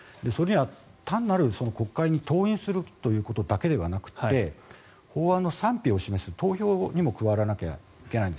単なる、国会に登院するというだけではなくて法案の賛否を示す投票にも加わらなきゃいけないんです。